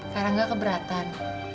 karena gak keberatan